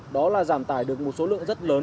đó là giảm tải được một số lượng rất lớn